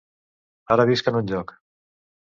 Ara visc en un lloc.